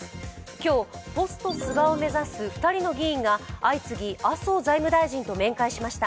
今日、ポスト菅を目指す２人の議員が相次ぎ麻生財務大臣と面会しました。